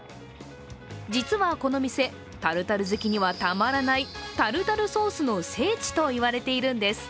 実はこの店、タルタル好きにはたまらない、タルタルソースの聖地といわれているんです。